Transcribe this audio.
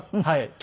はい。